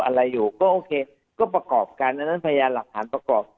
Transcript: อะไรอยู่ก็โอเคก็ประกอบกันอันนั้นพยานหลักฐานประกอบ